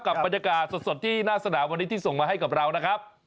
บรรยากาศสดที่หน้าสนามวันนี้ที่ส่งมาให้กับเรานะครับ